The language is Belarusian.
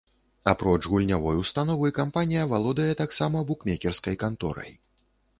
Апроч гульнявой установы, кампанія валодае таксама букмекерскай канторай.